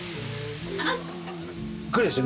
くるでしょ？